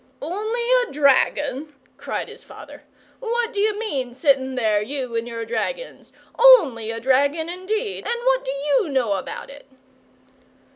"Only a dragon?" cried his father. "What do you mean, sitting there, you and your dragons? ONLY a dragon indeed! And what do YOU know about it?"